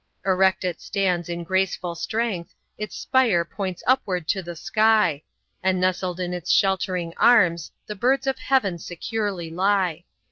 Erect it stands in graceful strength; Its spire points upward to the sky; And nestled in its sheltering arms The birds of heaven securely lie.